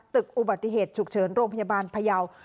ตึกอุบัติเหตุฉุกเฉินโรงพยาบาลพยาว